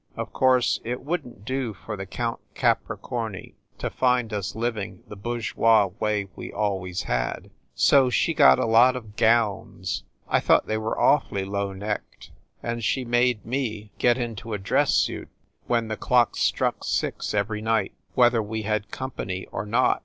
Of course, it wouldn t do for the Count Capricorni to find us living the bourgeois way we always had, so she got a lot of gowns I thought they were awfully low necked and she made me get into a dress suit when the clock struck six every night, whether we had company or not.